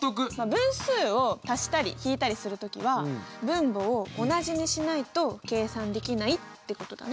分数を足したり引いたりする時は分母を同じにしないと計算できないってことだね。